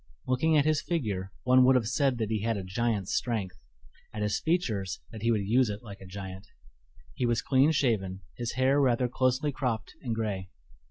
Looking at his figure, one would have said that he had a giant's strength; at his features, that he would use it like a giant. He was clean shaven, his hair rather closely cropped and gray.